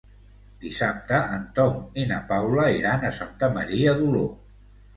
Dissabte en Tom i na Paula iran a Santa Maria d'Oló.